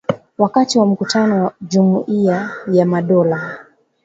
wakati wa mkutano wa Jumuiya ya Madola